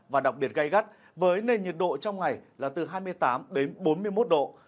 và đặc biệt gai gắt với nền nhiệt độ trong ngày là từ hai mươi tám đến bốn mươi một độ